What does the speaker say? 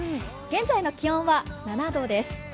現在の気温は７度です。